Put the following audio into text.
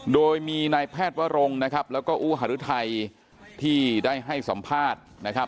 โดยมีนายแพทย์วรงนะครับแล้วก็อูหารุทัยที่ได้ให้สัมภาษณ์นะครับ